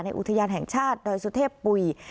อุทยานแห่งชาติดอยสุเทพปุ๋ย